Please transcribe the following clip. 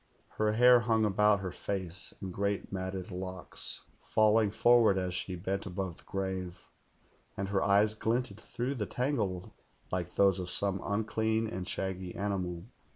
Her hair hung about THE GIIOLTL 120 her face in great matted locks, falling forward as she bent above the grave, and her eyes glinted through the tangle like those of some unclean and shaggj' animal.